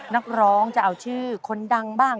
นักร้องจะเอาชื่อคนดังบ้าง